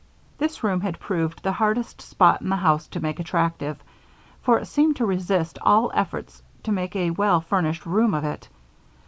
This room had proved the hardest spot in the house to make attractive, for it seemed to resist all efforts to make a well furnished room of it.